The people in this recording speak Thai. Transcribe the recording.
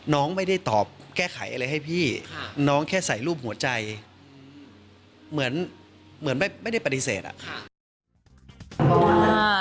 น้องไม่ได้ตอบแก้ไขอะไรให้พี่น้องแค่ใส่รูปหัวใจเหมือนเหมือนไม่ได้ปฏิเสธอะค่ะ